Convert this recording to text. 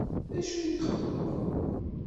D acu ay txeddmeḍ?